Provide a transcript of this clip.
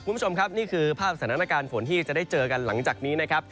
คุณผู้ชมครับนี่คือภาพสถานการณ์ฝนที่จะได้เจอกันหลังจากนี้นะครับ